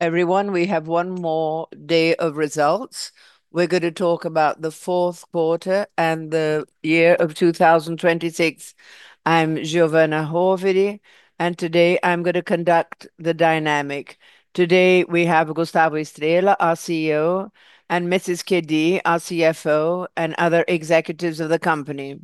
Everyone, we have one more day of results. We're gonna talk about the fourth quarter and the year of 2026. I'm Giovanna Cavallet, and today I'm gonna conduct the dynamic. Today, we have Gustavo Estrella, our CEO, and Mrs. Kedi, our CFO, and other executives of the company.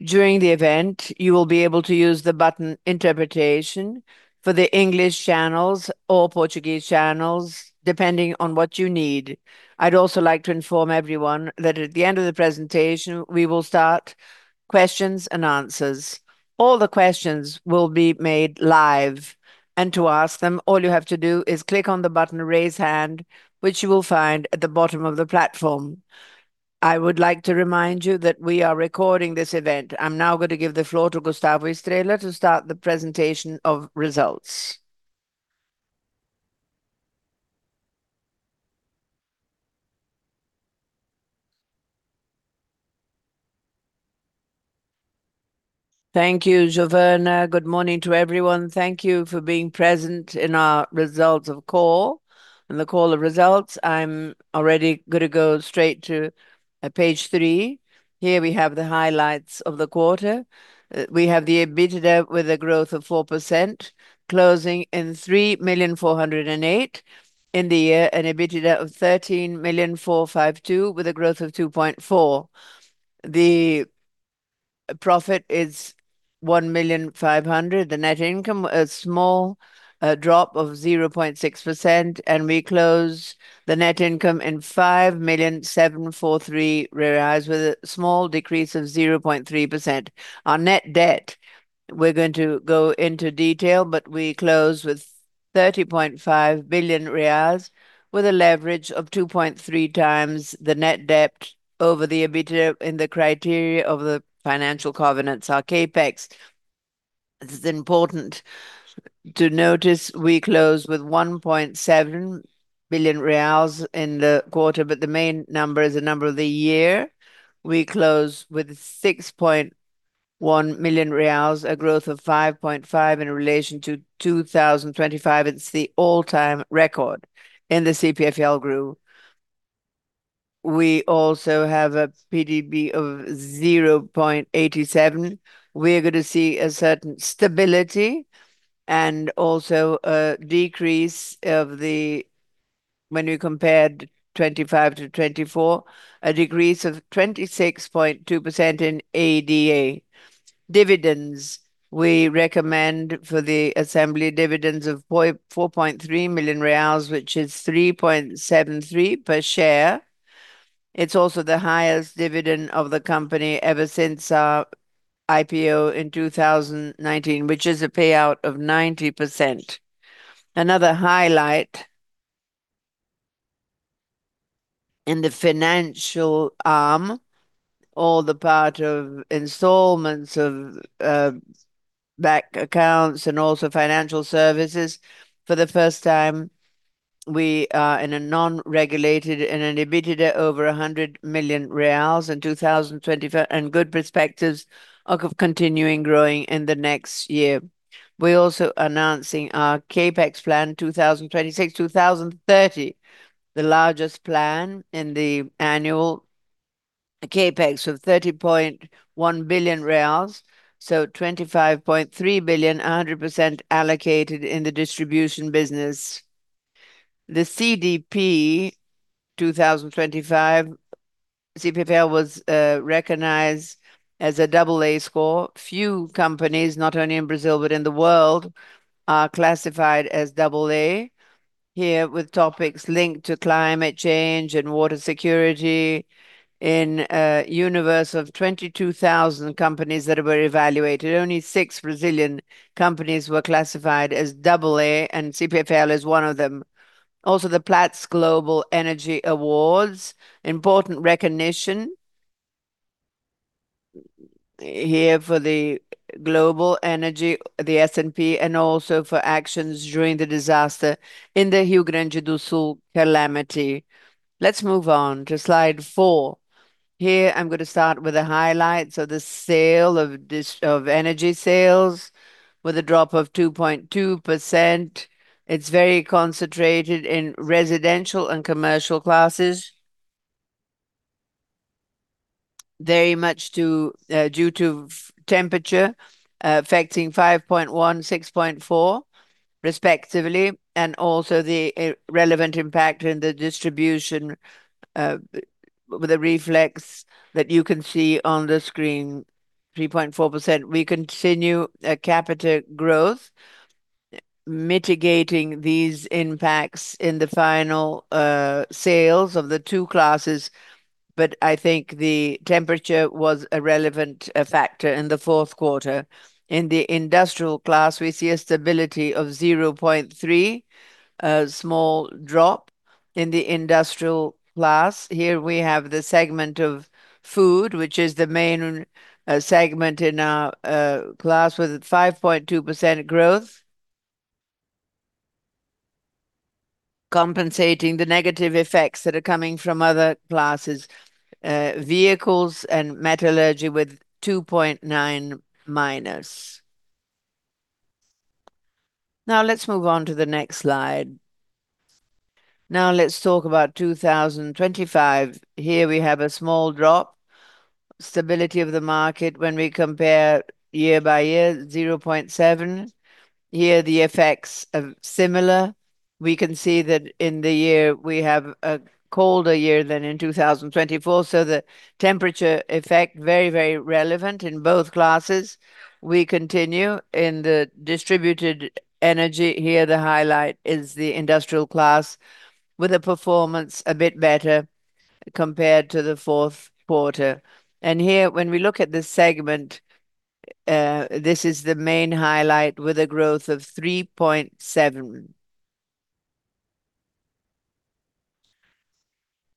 During the event, you will be able to use the button Interpretation for the English channels or Portuguese channels, depending on what you need. I'd also like to inform everyone that at the end of the presentation, we will start questions and answers. All the questions will be made live, and to ask them, all you have to do is click on the button Raise Hand, which you will find at the bottom of the platform. I would like to remind you that we are recording this event. I'm now gonna give the floor to Gustavo Estrella to start the presentation of results. Thank you, Giovanna. Good morning to everyone. Thank you for being present in our results of call. In the call of results, I'm already gonna go straight to page three. Here we have the highlights of the quarter. We have the EBITDA with a growth of 4%, closing in 3 million 408. In the year, an EBITDA of 13 million 452 with a growth of 2.4%. The profit is 1 million 500. The net income, a small drop of 0.6%, and we close the net income in 5 million 743 with a small decrease of 0.3%. Our net debt, we're going to go into detail, we close with BRL 30.5 billion with a leverage of 2.3 times the net debt over the EBITDA in the criteria of the financial covenants. Our CapEx, it's important to notice we close with 1.7 billion reais in the quarter, the main number is the number of the year. We close with 6.1 million reais, a growth of 5.5% in relation to 2025. It's the all-time record in the CPFL group. We also have a PDB of 0.87. We're going to see a certain stability and also a decrease. When we compared 2025-2024, a decrease of 26.2% in ADA. We recommend for the assembly dividends of 4.3 million reais, which is 3.73 per share. It's also the highest dividend of the company ever since our IPO in 2019, which is a payout of 90%. Another highlight in the financial arm, or the part of installments of bank accounts and also financial services, for the first time, we are in a non-regulated and an EBITDA over 100 million reais in 2025, and good perspectives of continuing growing in the next year. We're also announcing our CapEx plan 2026, 2030, the largest plan in the annual CapEx of 30.1 billion reais, so 25.3 billion, 100% allocated in the distribution business. The CDP 2025, CPFL was recognized as a double A score. Few companies, not only in Brazil, but in the world, are classified as double A. Here with topics linked to climate change and water security. In a universe of 22,000 companies that were evaluated, only six Brazilian companies were classified as double A, CPFL is one of them. The Platts Global Energy Awards, important recognition here for the global energy, the S&P, and also for actions during the disaster in the Rio Grande do Sul calamity. Let's move on to slide 4. I'm gonna start with the highlights of the sale of energy sales with a drop of 2.2%. It's very concentrated in residential and commercial classes. Very much to due to temperature affecting 5.1, 6.4 respectively, and also the relevant impact in the distribution with the reflex that you can see on the screen, 3.4%. We continue a capita growth, mitigating these impacts in the final sales of the two classes, but I think the temperature was a relevant factor in the fourth quarter. In the industrial class, we see a stability of 0.3, a small drop in the industrial class. Here we have the segment of food, which is the main segment in our class with a 5.2% growth. Compensating the negative effects that are coming from other classes, vehicles and metallurgy with -2.9. Let's move on to the next slide. Let's talk about 2025. Here we have a small drop. Stability of the market when we compare year-over-year, 0.7%. Here the effects are similar. We can see that in the year we have a colder year than in 2024, the temperature effect very, very relevant in both classes. We continue in the distributed energy. Here the highlight is the industrial class with a performance a bit better compared to the fourth quarter. Here when we look at this segment, this is the main highlight with a growth of 3.7%.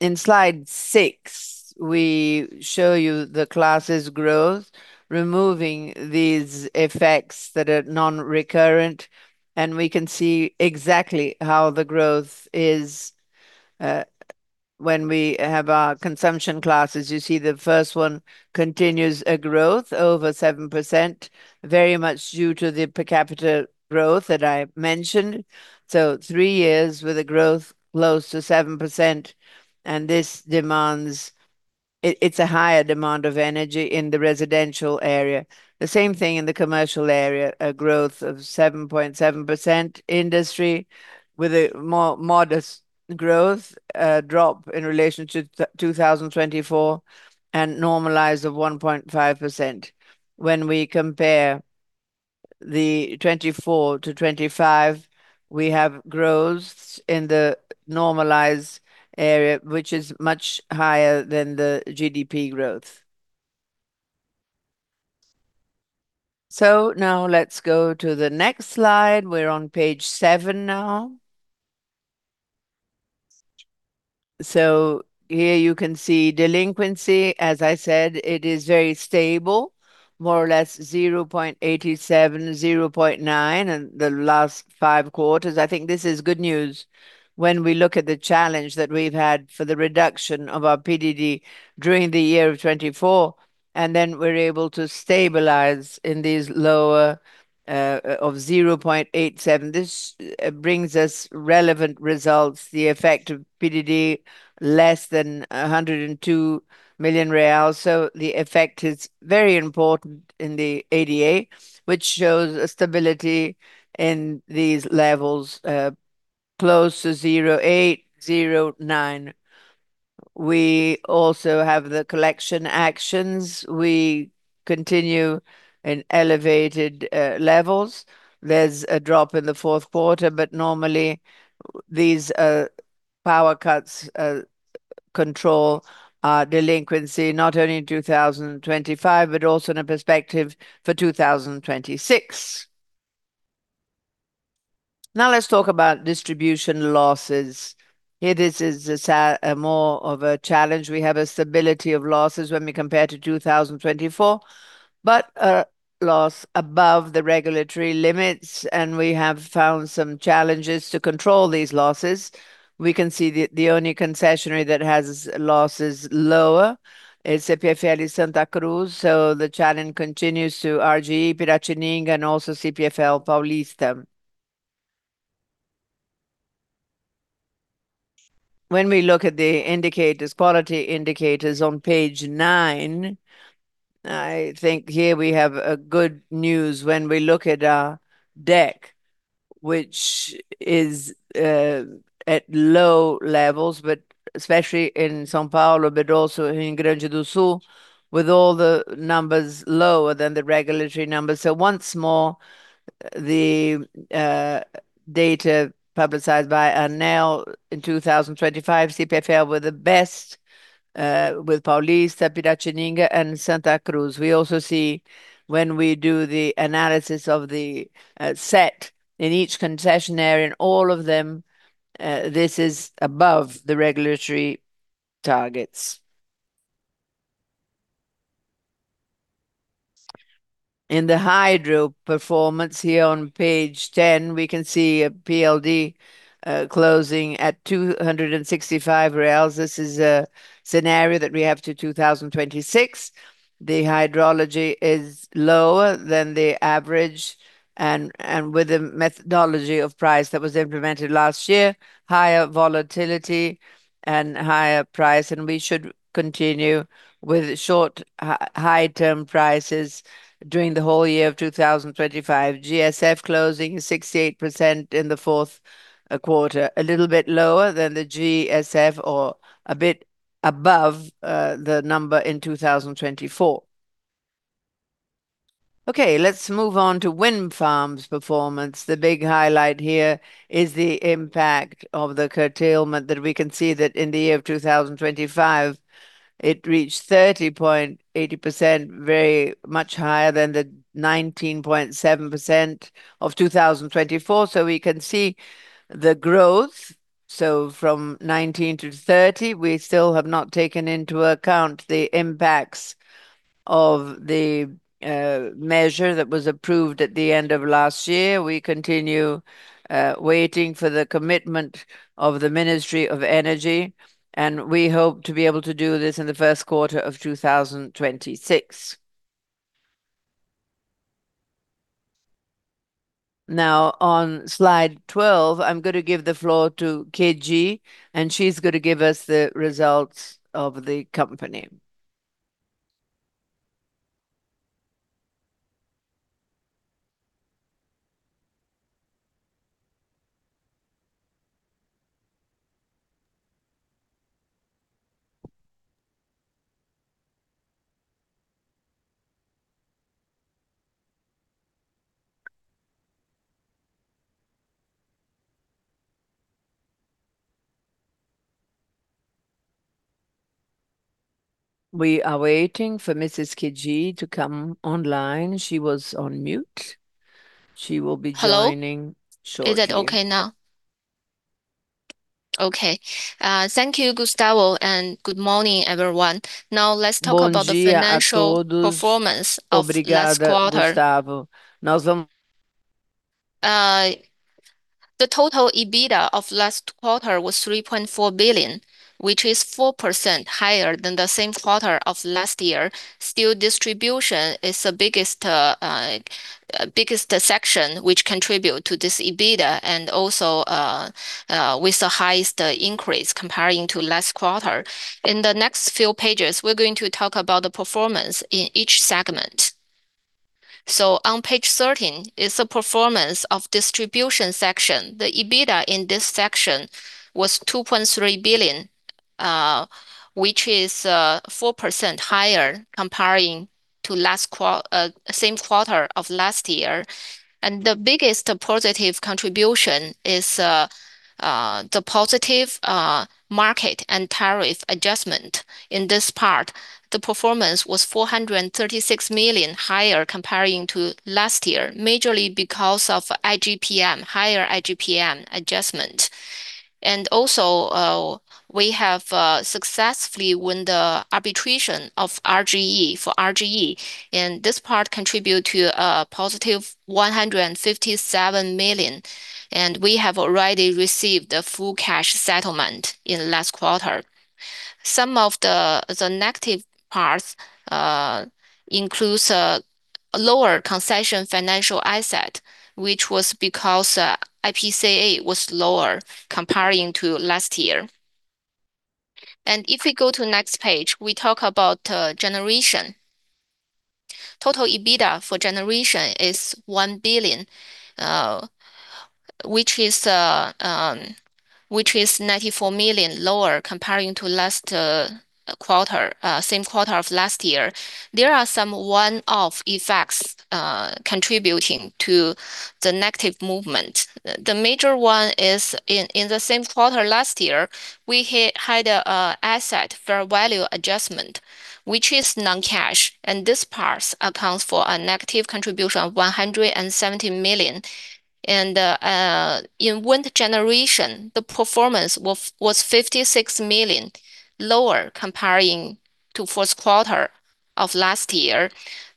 In Slide six, we show you the classes growth, removing these effects that are non-recurrent, we can see exactly how the growth is when we have our consumption classes. You see the first one continues a growth over 7%, very much due to the per capita growth that I mentioned. Three years with a growth close to 7%, a higher demand of energy in the residential area. The same thing in the commercial area, a growth of 7.7%. Industry with a more modest growth, drop in relation to 2024 and normalize of 1.5%. When we compare the 2024-2025, we have growths in the normalized area, which is much higher than the GDP growth. Now let's go to the next slide. We're on page seven now. Here you can see delinquency. As I said, it is very stable, more or less 0.87, 0.9 in the last five quarters. I think this is good news when we look at the challenge that we've had for the reduction of our PDD during the year of 2024. We're able to stabilize in these lower 0.87. This brings us relevant results, the effect of PDD less than 102 million real. The effect is very important in the ADA, which shows a stability in these levels close to 0.8, 0.9. We also have the collection actions. We continue in elevated levels. There's a drop in the fourth quarter. Normally these power cuts control our delinquency, not only in 2025, but also in a perspective for 2026. Let's talk about distribution losses. Here this is a more of a challenge. We have a stability of losses when we compare to 2024, but a loss above the regulatory limits, and we have found some challenges to control these losses. We can see the only concessionaire that has losses lower is CPFL Santa Cruz. The challenge continues to RGE Piratininga and also CPFL Paulista. When we look at the indicators, quality indicators on page nine, I think here we have a good news when we look at our deck, which is at low levels, but especially in São Paulo, but also in Grande do Sul, with all the numbers lower than the regulatory numbers. Once more, the data publicized by ANEEL in 2025, CPFL were the best with Paulista, Piratininga, and Santa Cruz. We also see when we do the analysis of the set in each concession area, in all of them, this is above the regulatory targets. In the hydro performance here on page 10, we can see a PLD closing at 265 reais. This is a scenario that we have to 2026. The hydrology is lower than the average and with the methodology of price that was implemented last year, higher volatility and higher price, and we should continue with short high term prices during the whole year of 2025. GSF closing 68% in the fourth quarter, a little bit lower than the GSF or a bit above the number in 2024. Okay, let's move on to wind farms performance. The big highlight here is the impact of the curtailment that we can see that in the year of 2025, it reached 30.8%, very much higher than the 19.7% of 2024. We can see the growth. From 19-30, we still have not taken into account the impacts of the measure that was approved at the end of last year. We continue waiting for the commitment of the Ministry of Mines and Energy, and we hope to be able to do this in the first quarter of 2026. Now, on slide 12, I'm gonna give the floor to Kedi, and she's gonna give us the results of the company. We are waiting for Mrs. Kedi to come online. She was on mute. Hello joining shortly. Is it okay now? Okay. Thank you, Gustavo, and good morning, everyone. Now, let's talk about the financial performance of last quarter. The total EBITDA of last quarter was 3.4 billion, which is 4% higher than the same quarter of last year. Still, distribution is the biggest section which contribute to this EBITDA, and also, with the highest increase comparing to last quarter. In the next few pages, we're going to talk about the performance in each segment. On page 13 is the performance of distribution section. The EBITDA in this section was 2.3 billion, which is 4% higher comparing to same quarter of last year. The biggest positive contribution is the positive market and tariff adjustment. In this part, the performance was 436 million higher comparing to last year, majorly because of IGPM, higher IGPM adjustment. Also, we have successfully won the arbitration of RGE, for RGE, and this part contribute to a positive 157 million, and we have already received the full cash settlement in last quarter. Some of the negative parts includes a lower concession financial asset, which was because IPCA was lower comparing to last year. If we go to next page, we talk about generation. Total EBITDA for generation is BRL 1 billion, which is 94 million lower comparing to last quarter, same quarter of last year. There are some one-off effects contributing to the negative movement. The major one is in the same quarter last year, we had asset fair value adjustment, which is non-cash. This part accounts for a negative contribution of 170 million. In wind generation, the performance was 56 million lower comparing to fourth quarter of last year,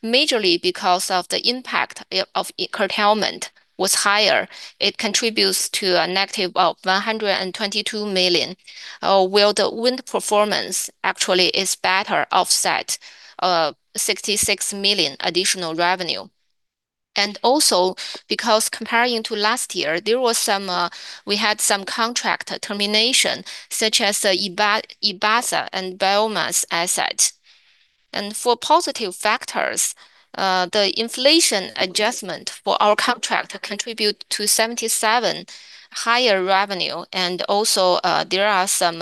majorly because of the impact of curtailment was higher. It contributes to a negative of 122 million, while the wind performance actually is better offset 66 million additional revenue. Also, because comparing to last year, there was some, we had some contract termination, such as Ibasa and biomass asset. For positive factors, the inflation adjustment for our contract contribute to 77 higher revenue. Also, there are some,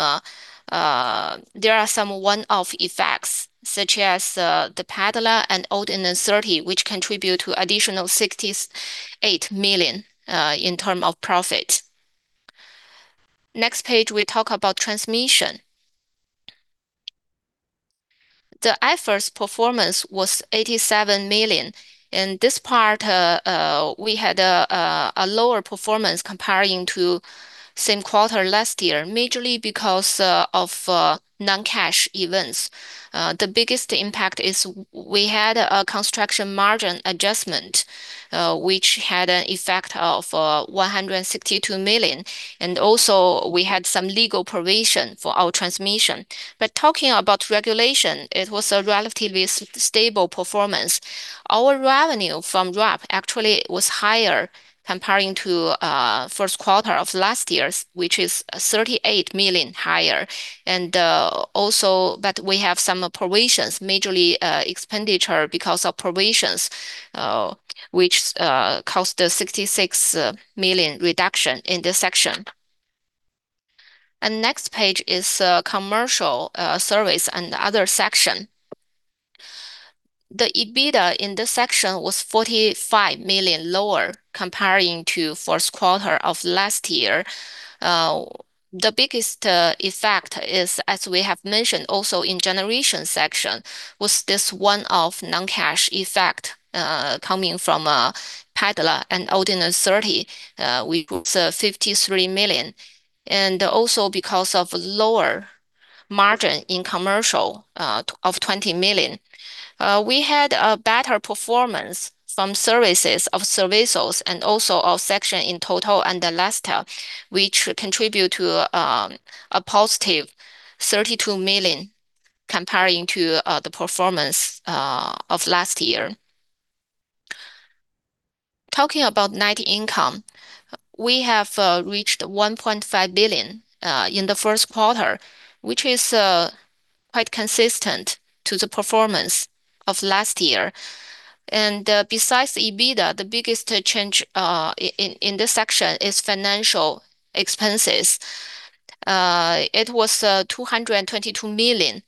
there are some one-off effects, such as the Padla and Ordinas 30, which contribute to additional 68 million in term of profit. Next page, we talk about transmission. The efforts performance was 87 million. In this part, we had a lower performance comparing to same quarter last year, majorly because of non-cash events. The biggest impact is we had a construction margin adjustment, which had an effect of 162 million. Also, we had some legal provision for our transmission. Talking about regulation, it was a relatively stable performance. Our revenue from RAP actually was higher comparing to first quarter of last year's, which is 38 million higher. Also, but we have some provisions, majorly, expenditure because of provisions, which cost us 66 million reduction in this section. Next page is commercial service and other section. The EBITDA in this section was 45 million lower comparing to first quarter of last year. The biggest effect is, as we have mentioned also in generation section, was this one-off non-cash effect coming from EPASA and Ordinas thirty. We group the 53 million. Also because of lower margin in commercial of 20 million. We had a better performance from services of Servicios and also our section in total under lastre, which contribute to a positive 32 million comparing to the performance of last year. Talking about net income, we have reached 1.5 billion in the first quarter, which is quite consistent to the performance of last year. Besides EBITDA, the biggest change in this section is financial expenses. It was 222 million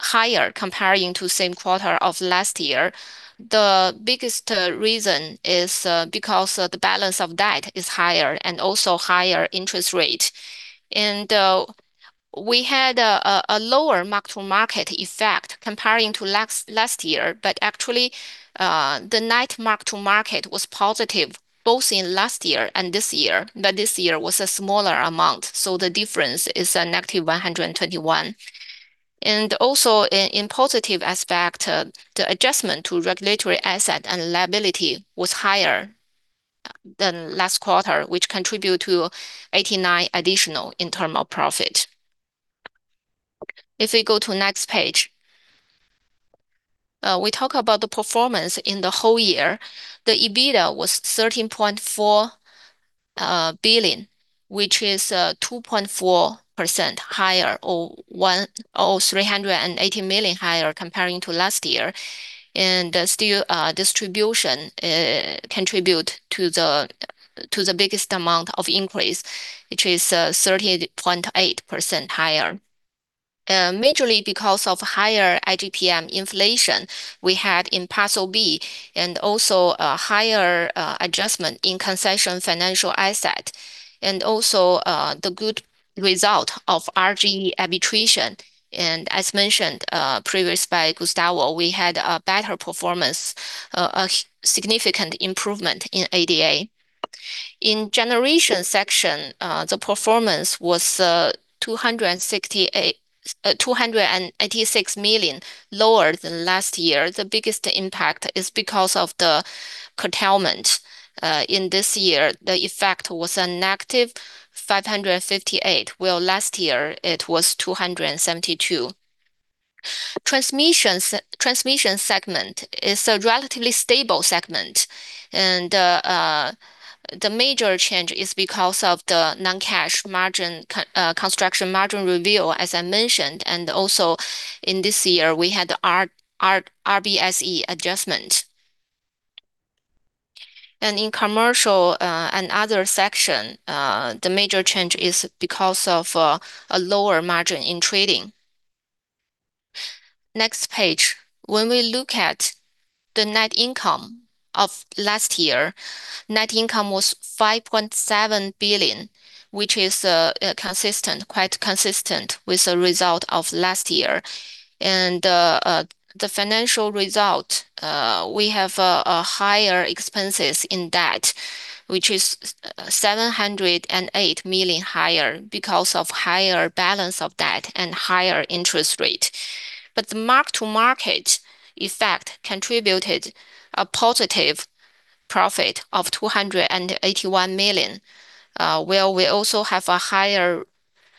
higher comparing to same quarter of last year. The biggest reason is because the balance of debt is higher and also higher interest rate. We had a lower mark-to-market effect comparing to last year. Actually, the net mark-to-market was positive both in last year and this year, but this year was a smaller amount, so the difference is a negative 121. Also in positive aspect, the adjustment to regulatory asset and liability was higher than last quarter, which contribute to 89 additional in term of profit. If we go to next page. We talk about the performance in the whole year. The EBITDA was 13.4 billion, which is 2.4% higher, or 380 million higher comparing to last year. Still, distribution contribute to the biggest amount of increase, which is 38.8% higher. Majorly because of higher IGPM inflation we had in Parcel B, and also a higher adjustment in concession financial asset and also the good result of RGE arbitration. As mentioned, previous by Gustavo, we had a better performance, a significant improvement in ADA. In generation section, the performance was 268 million, 286 million lower than last year. The biggest impact is because of the curtailment in this year. The effect was a negative 558, while last year it was 272. Transmission segment is a relatively stable segment. The major change is because of the non-cash margin construction margin review, as I mentioned. Also in this year, we had RBSE adjustment. In commercial and other section, the major change is because of a lower margin in trading. Next page. When we look at the net income of last year, net income was 5.7 billion, which is consistent, quite consistent with the result of last year. The financial result, we have a higher expenses in debt, which is 708 million higher because of higher balance of debt and higher interest rate. The mark-to-market effect contributed a positive profit of 281 million, while we also have a higher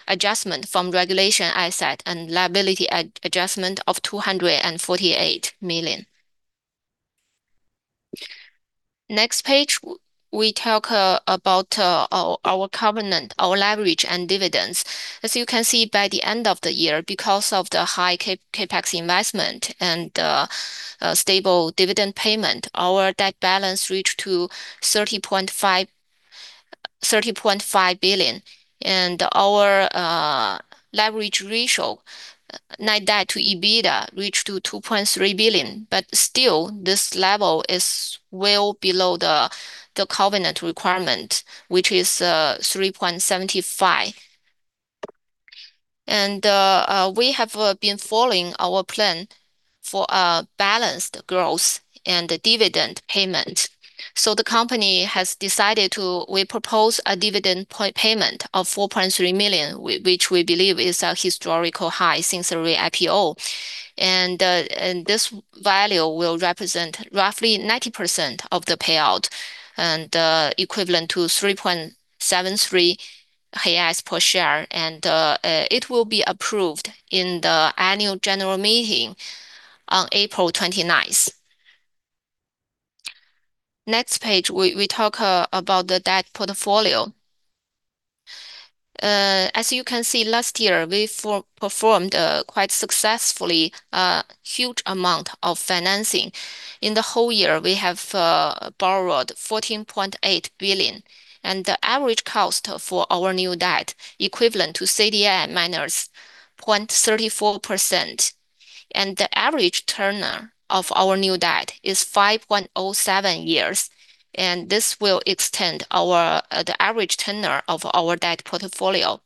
adjustment from regulation asset and liability adjustment of 248 million. We talk about our covenant, our leverage and dividends. By the end of the year, because of the high CapEx investment and a stable dividend payment, our debt balance reached to 30.5 billion. Our leverage ratio, net debt to EBITDA, reached to 2.3 billion. This level is well below the covenant requirement, which is 3.75. We have been following our plan for a balanced growth and dividend payment. We propose a dividend payment of 4.3 million, which we believe is a historical high since the Re-IPO. This value will represent roughly 90% of the payout and equivalent to 3.73 reais per share. It will be approved in the annual general meeting on April 29th. Next page, we talk about the debt portfolio. As you can see, last year, we performed quite successfully, a huge amount of financing. In the whole year, we have borrowed 14.8 billion. The average cost for our new debt, equivalent to CDI minus 0.34%. The average tenure of our new debt is 5.07 years, and this will extend our the average tenure of our debt portfolio.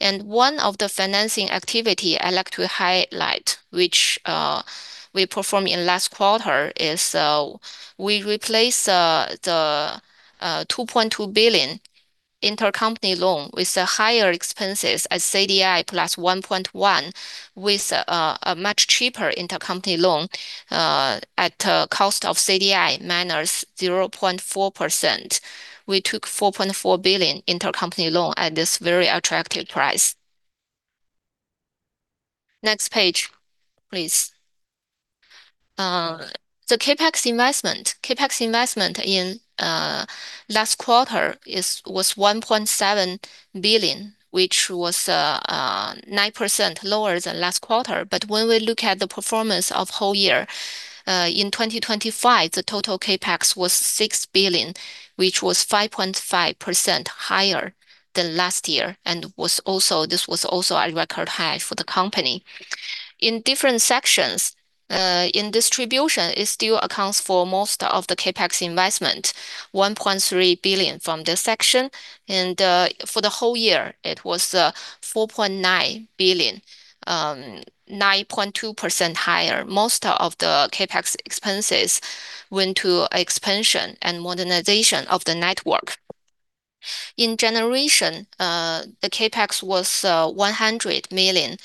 One of the financing activity I like to highlight, which we perform in last quarter, is we replace the 2.2 billion intercompany loan with higher expenses at CDI plus 1.1 with a much cheaper intercompany loan at a cost of CDI minus 0.4%. We took 4.4 billion intercompany loan at this very attractive price. Next page, please. The CapEx investment in last quarter was 1.7 billion, which was 9% lower than last quarter. When we look at the performance of whole year, in 2025, the total CapEx was 6 billion, which was 5.5% higher than last year and this was also a record high for the company. In different sections, in distribution it still accounts for most of the CapEx investment, 1.3 billion from this section. For the whole year, it was 4.9 billion, 9.2% higher. Most of the CapEx expenses went to expansion and modernization of the network. In generation, the CapEx was 100 million,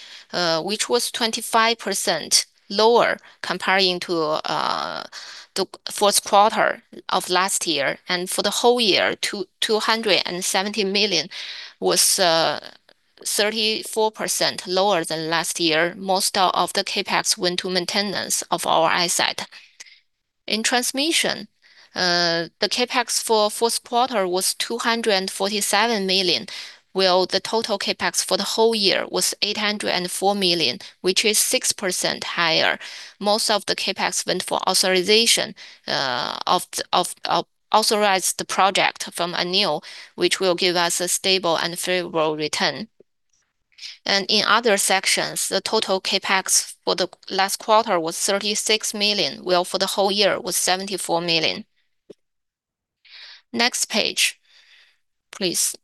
which was 25% lower comparing to the Q4 of last year. For the whole year, 270 million was 34% lower than last year. Most of the CapEx went to maintenance of our asset. In transmission, the CapEx for fourth quarter was 247 million, while the total CapEx for the whole year was 804 million, which is 6% higher. Most of the CapEx went for authorization of the authorized the project from ANEEL, which will give us a stable and favorable return. In other sections, the total CapEx for the last quarter was 36 million, while for the whole year was 74 million. Next page, please.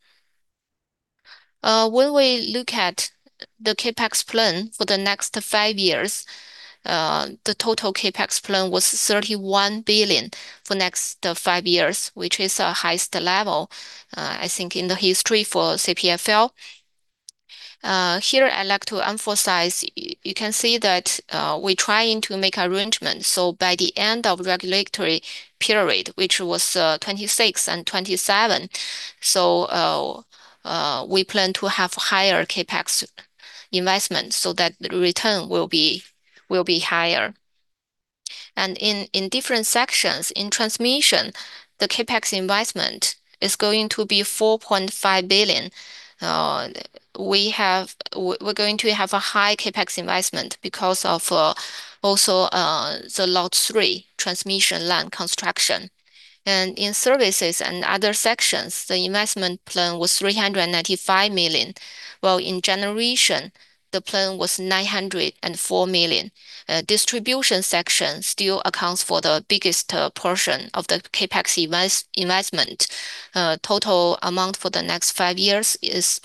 When we look at the CapEx plan for the next five years, the total CapEx plan was 31 billion for next five years, which is our highest level, I think in the history for CPFL. Here I'd like to emphasize, you can see that we're trying to make arrangements by the end of regulatory period, which was 2026 and 2027, we plan to have higher CapEx investment so that the return will be higher. In different sections, in transmission, the CapEx investment is going to be 4.5 billion. We're going to have a high CapEx investment because of also the Lot 3 transmission line construction. In services and other sections, the investment plan was 395 million, while in generation the plan was 904 million. Distribution section still accounts for the biggest portion of the CapEx investment. Total amount for the next five years is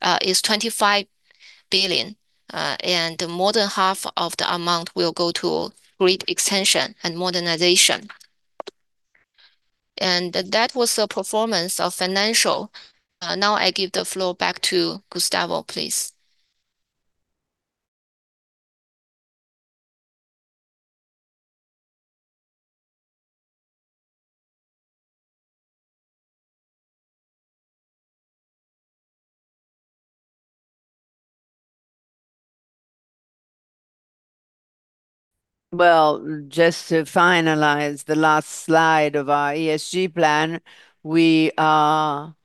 25 billion, and more than half of the amount will go to grid extension and modernization. That was the performance of financial. Now I give the floor back to Gustavo, please. Well, just to finalize the last slide of our ESG plan, we are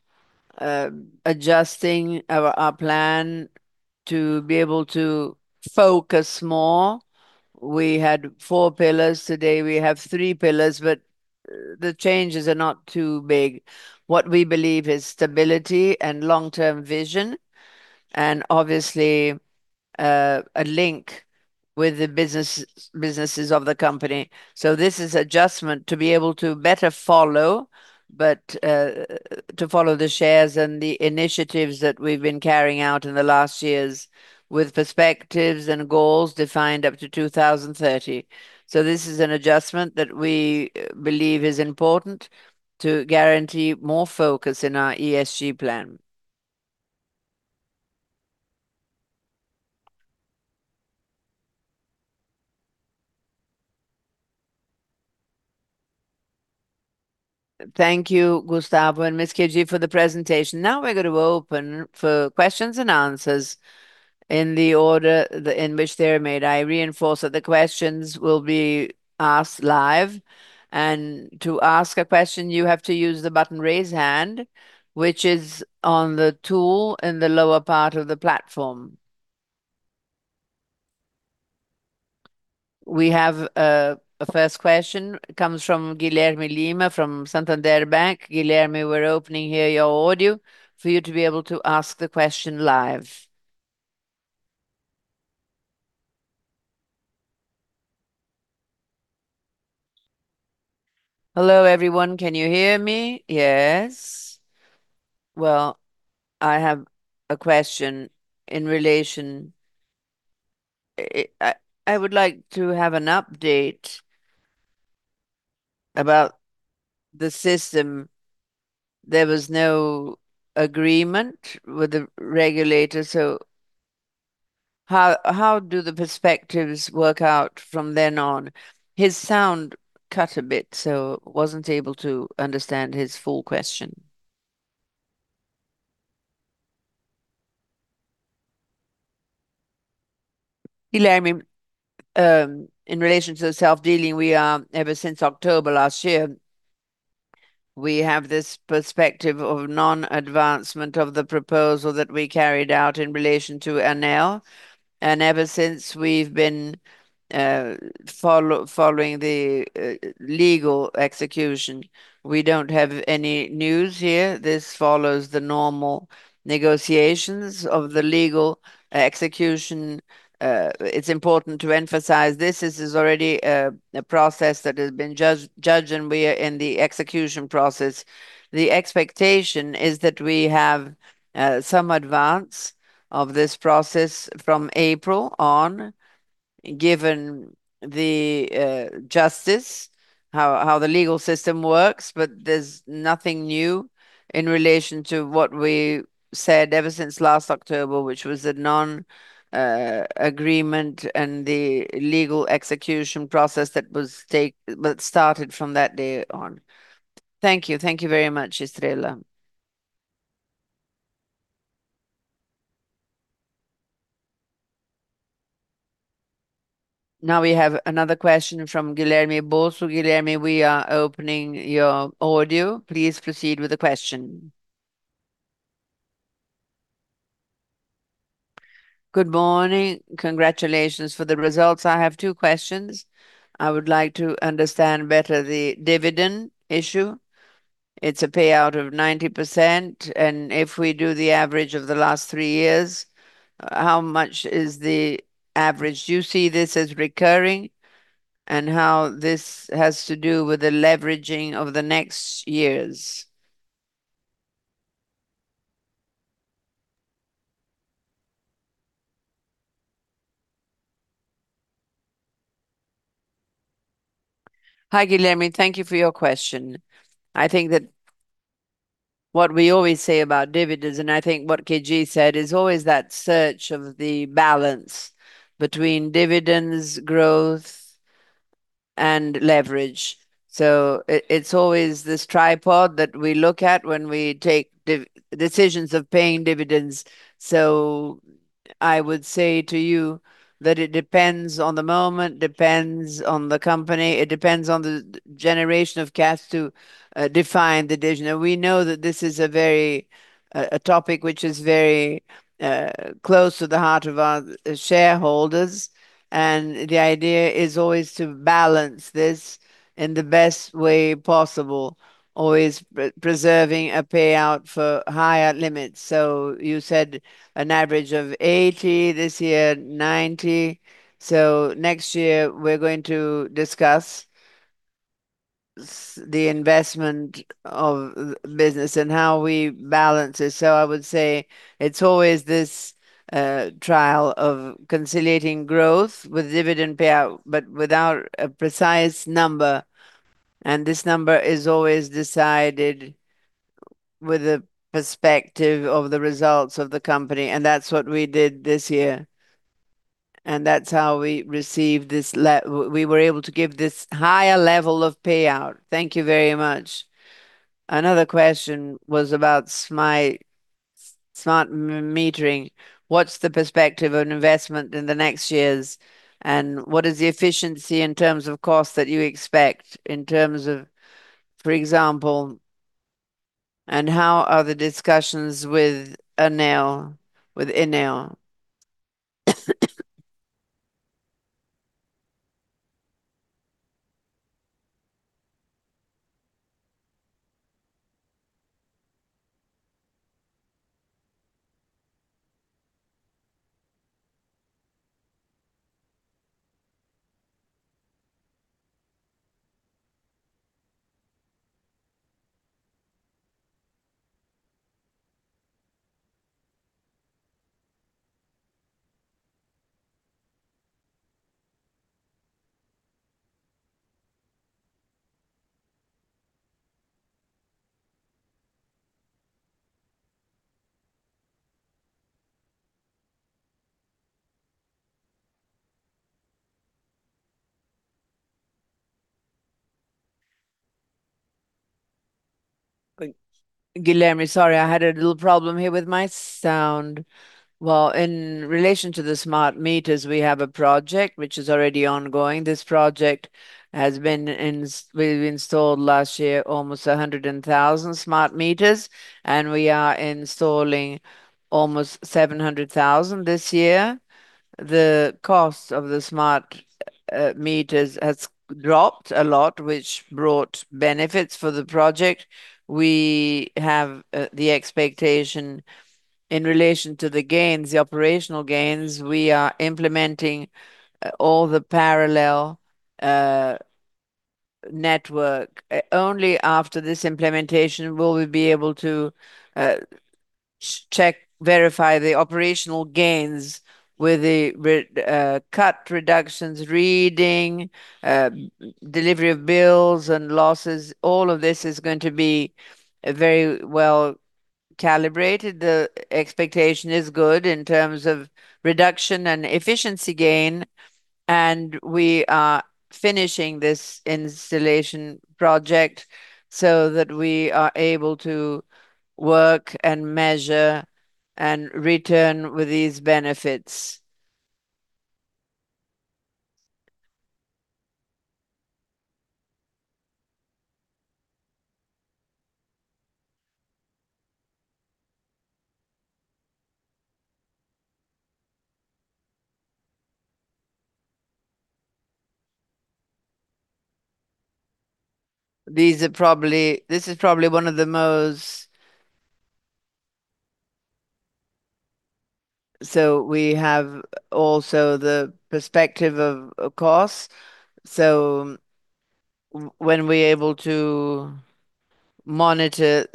adjusting our plan to be able to focus more. We had four pillars, today we have three pillars. The changes are not too big. What we believe is stability and long-term vision, obviously, a link with the businesses of the company. This is adjustment to be able to better follow, but to follow the shares and the initiatives that we've been carrying out in the last years with perspectives and goals defined up to 2030. This is an adjustment that we believe is important to guarantee more focus in our ESG plan. Thank you, Gustavo and Ms. Kedi, for the presentation. Now we're gonna open for questions and answers in the order in which they are made. I reinforce that the questions will be asked live. To ask a question, you have to use the button Raise Hand, which is on the tool in the lower part of the platform. We have a first question. It comes from Guilherme Palhares from Santander Bank. Guilherme, we're opening here your audio for you to be able to ask the question live. Hello, everyone. Can you hear me? Yes. Well, I have a question in relation... I would like to have an update about the system. There was no agreement with the regulator, how do the perspectives work out from then on? His sound cut a bit, wasn't able to understand his full question. Guilherme, in relation to the self-dealing, we are ever since October last year, we have this perspective of non-advancement of the proposal that we carried out in relation to ANEEL. Ever since we've been following the legal execution. We don't have any news here. This follows the normal negotiations of the legal execution. It's important to emphasize this. This is already a process that has been judged, and we are in the execution process. The expectation is that we have some advance of this process from April on given the justice, how the legal system works. There's nothing new in relation to what we said ever since last October, which was a non-agreement and the legal execution process that started from that day on. Thank you. Thank you very much, Estrella. Now we have another question from Guilherme Bosso. Guilherme, we are opening your audio. Please proceed with the question. Good morning. Congratulations for the results. I have two questions. I would like to understand better the dividend issue. It's a payout of 90%. If we do the average of the last three years, how much is the average? Do you see this as recurring? How this has to do with the leveraging of the next years? Hi, Guilherme. Thank you for your question. I think that what we always say about dividends, I think what Kedi said, is always that search of the balance between dividends, growth, and leverage. It's always this tripod that we look at when we take decisions of paying dividends. I would say to you that it depends on the moment, depends on the company, it depends on the generation of cash to define the decision. We know that this is a very, a topic which is very close to the heart of our shareholders, and the idea is always to balance this in the best way possible, always preserving a payout for higher limits. You said an average of 80, this year 90. Next year we're going to discuss the investment of business and how we balance it. I would say it's always this trial of conciliating growth with dividend payout, but without a precise number, and this number is always decided with a perspective of the results of the company, and that's what we did this year, and that's how we received this we were able to give this higher level of payout. Thank you very much. Another question was about smart metering. What's the perspective on investment in the next years, and what is the efficiency in terms of cost that you expect in terms of, for example... How are the discussions with ANEEL? Guilherme, sorry, I had a little problem here with my sound. In relation to the smart meters, we have a project which is already ongoing. This project has been we've installed last year almost 100,000 smart meters, and we are installing almost 700,000 this year. The cost of the smart meters has dropped a lot, which brought benefits for the project. We have the expectationIn relation to the gains, the operational gains, we are implementing all the parallel network. Only after this implementation will we be able to check, verify the operational gains with the cut reductions, reading, delivery of bills and losses. All of this is going to be very well calibrated. The expectation is good in terms of reduction and efficiency gain, we are finishing this installation project so that we are able to work and measure and return with these benefits. This is probably one of the most... We have also the perspective of cost. When we're able to monitor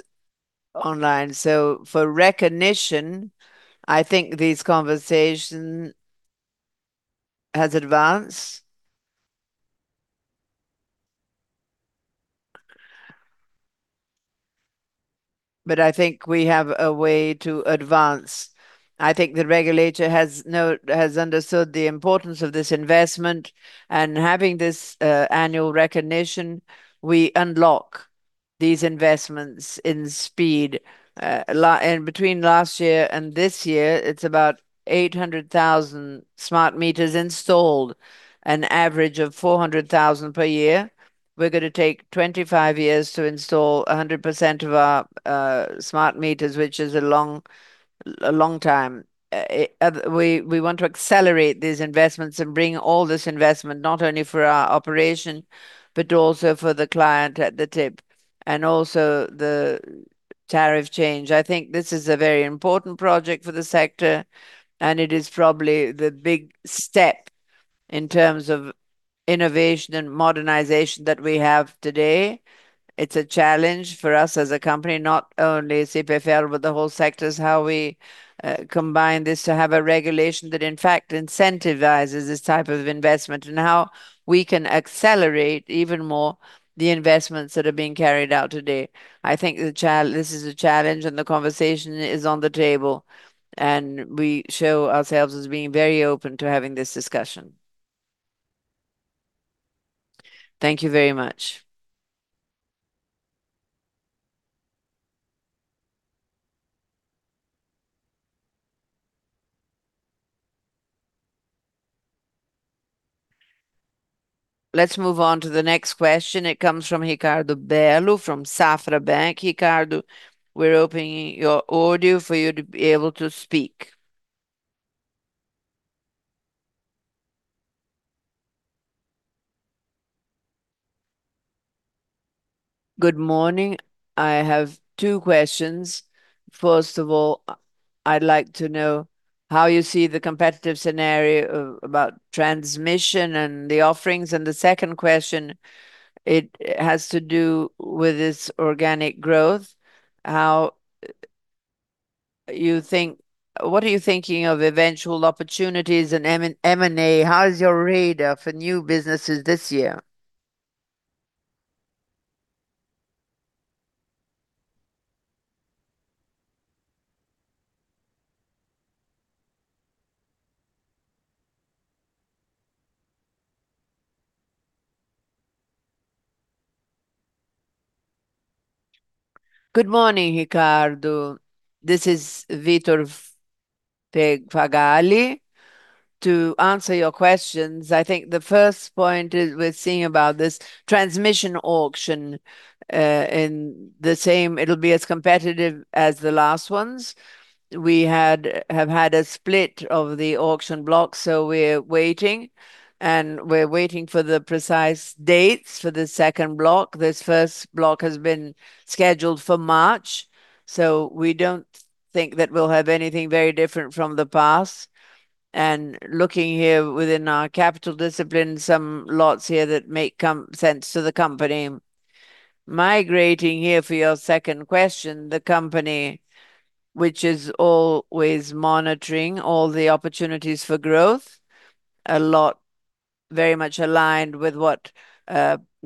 online. For recognition, I think this conversation has advanced. I think we have a way to advance. I think the regulator has understood the importance of this investment, and having this annual recognition, we unlock these investments in speed. Between last year and this year, it's about 800,000 smart meters installed, an average of 400,000 per year. We're gonna take 25 years to install 100% of our smart meters, which is a long, a long time. We want to accelerate these investments and bring all this investment, not only for our operation, but also for the client at the tip, and also the tariff change. I think this is a very important project for the sector, and it is probably the big step in terms of innovation and modernization that we have today. It's a challenge for us as a company, not only CPFL, but the whole sectors, how we combine this to have a regulation that, in fact, incentivizes this type of investment and how we can accelerate even more the investments that are being carried out today. I think this is a challenge. The conversation is on the table, and we show ourselves as being very open to having this discussion. Thank you very much. Let's move on to the next question. It comes from Ricardo Bezerra from Safra Bank. Ricardo, we're opening your audio for you to be able to speak. Good morning. I have two questions. First of all, I'd like to know how you see the competitive scenario about transmission and the offerings. The second question, it has to do with this organic growth. What are you thinking of eventual opportunities in M&A? How is your radar for new businesses this year? Good morning, Ricardo. This is Vitor Fagali. To answer your questions, I think the first point is we're seeing about this transmission auction, it'll be as competitive as the last ones. We have had a split of the auction block, so we're waiting, and we're waiting for the precise dates for the second block. This first block has been scheduled for March, so we don't think that we'll have anything very different from the past. Looking here within our capital discipline, some lots here that make sense to the company. Migrating here for your second question, the company, which is always monitoring all the opportunities for growth, a lot very much aligned with what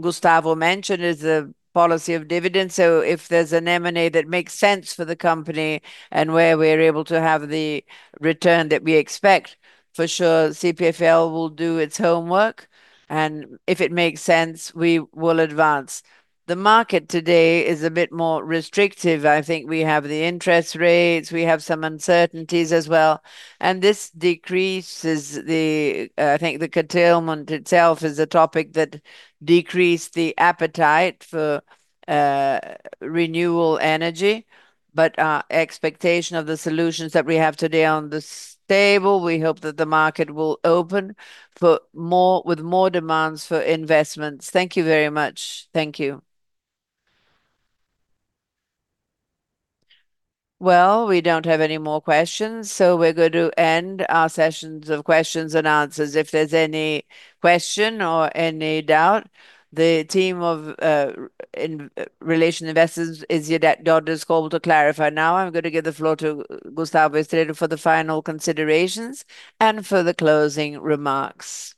Gustavo mentioned is the policy of dividends. If there's an M&A that makes sense for the company and where we're able to have the return that we expect, for sure CPFL will do its homework, and if it makes sense, we will advance. The market today is a bit more restrictive. I think we have the interest rates, we have some uncertainties as well, and this decreases the... I think the curtailment itself is a topic that decreased the appetite for renewal energy. Our expectation of the solutions that we have today on the stable, we hope that the market will open with more demands for investments. Thank you very much. Thank you. Well, we don't have any more questions. We're going to end our sessions of questions and answers. If there's any question or any doubt, the team of Investor Relations is at your call to clarify. I'm going to give the floor to Gustavo Estrella for the final considerations and for the closing remarks.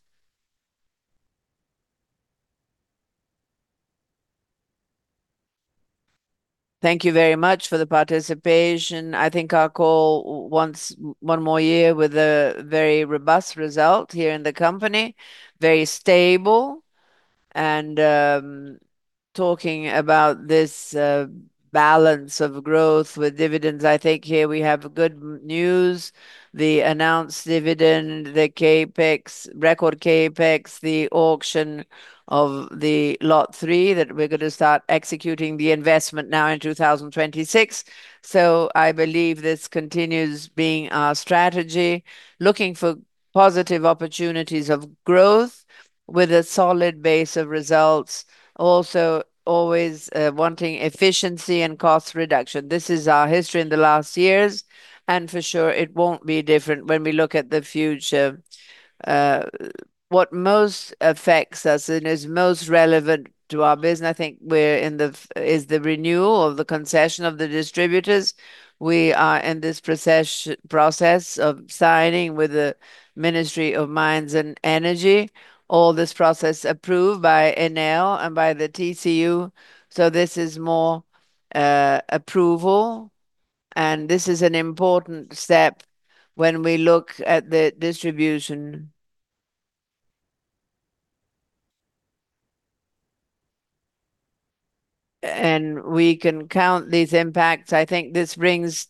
Thank you very much for the participation. I think our call one more year with a very robust result here in the company, very stable. Talking about this balance of growth with dividends, I think here we have good news. The announced dividend, the CapEx, record CapEx, the auction of the Lot 3, that we're going to start executing the investment now in 2026. I believe this continues being our strategy, looking for positive opportunities of growth with a solid base of results. Also, always, wanting efficiency and cost reduction. This is our history in the last years, and for sure it won't be different when we look at the future. What most affects us and is most relevant to our business, is the renewal of the concession of the distributors. We are in this process of signing with the Ministry of Mines and Energy. All this process approved by ANEEL and by the TCU, so this is more, approval. This is an important step when we look at the distribution. We can count these impacts. I think this brings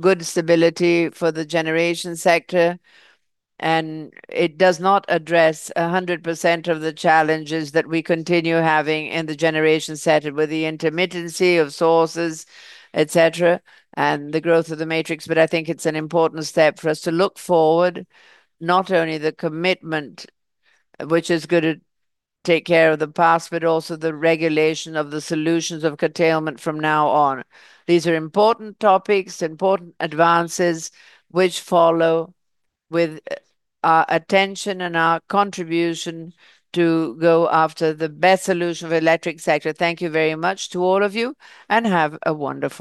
good stability for the generation sector, and it does not address 100% of the challenges that we continue having in the generation sector with the intermittency of sources, et cetera, and the growth of the matrix, but I think it's an important step for us to look forward, not only the commitment which is gonna take care of the past, but also the regulation of the solutions of curtailment from now on. These are important topics, important advances which follow with our attention and our contribution to go after the best solution for electric sector. Thank you very much to all of you, and have a wonderful day.